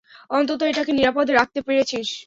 অন্তত এটাকে নিরাপদে রাখতে পেরেছিস।